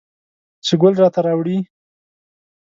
چې ګل راته راوړي